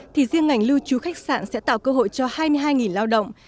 thì riêng ngành lưu trú khách sạn sẽ tạo cơ hội cho hai mươi hai lao động